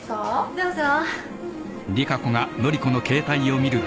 どうぞ。